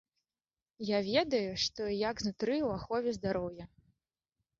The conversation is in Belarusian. Я ведаю, што і як знутры ў ахове здароўя.